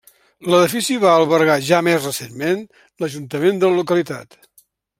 L'edifici va albergar ja més recentment, l'Ajuntament de la localitat.